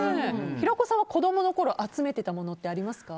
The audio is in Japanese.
平子さんは子供のころ集めてたものってありますか？